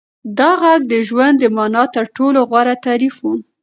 دا غږ د ژوند د مانا تر ټولو غوره تعریف و.